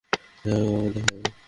যাই হোক, আবার দেখা হবে।